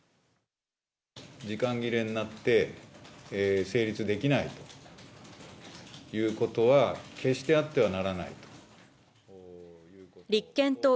時間切れになって、成立できないということは決してあってはならないと。